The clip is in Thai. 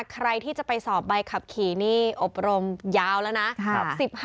ใครที่จะไปสอบใบขับขี่นี่อบรมยาวแล้วนะ